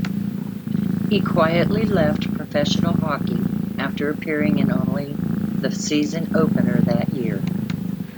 He quietly left professional hockey after appearing in only the season opener that year.